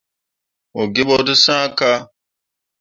Mo gee ɓo te sah ka.